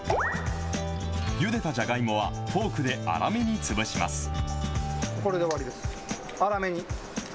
ゆでたじゃがいもはフォークで粗めに潰します。